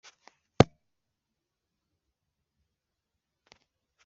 Icyakora utununga ntitwakuweho